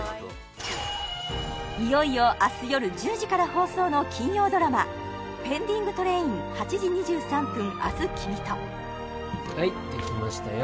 いよいよ明日夜１０時から放送の金曜ドラマ「ペンディングトレイン‐８時２３分、明日君と」はいできましたよ